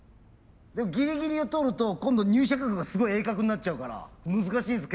でもギリギリを通ると今度入射角がすごい鋭角になっちゃうから難しいです。